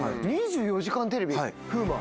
『２４時間テレビ』風磨。